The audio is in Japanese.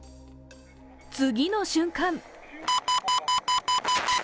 次の瞬間！